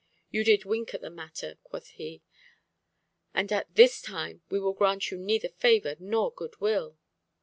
You did wink at the matter,' quoth he, 'and at this time we will grant you neither favour nor good will.